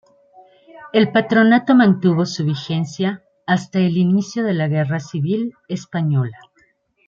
El Patronato mantuvo su vigencia hasta el inicio de la Guerra civil española.